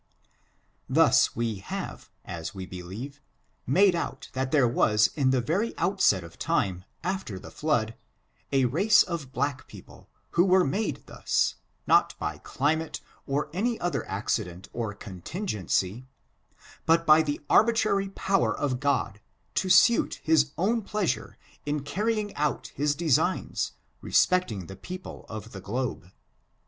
Thus we have, as we believe, made out that there was in the very outset of time, after the flood, a race of black people, who were made thus, not by climate or any other accident or contingency, but by the ar bitrary power of God, to suit his own pleasure in car rying out his designs respecting the people of the globe.